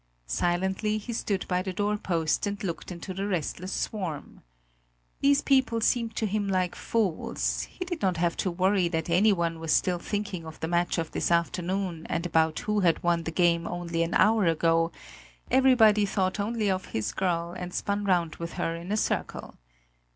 Silently he stood by the doorpost and looked into the restless swarm. These people seemed to him like fools; he did not have to worry that anyone was still thinking of the match of this afternoon and about who had won the game only an hour ago; everybody thought only of his girl and spun round with her in a circle.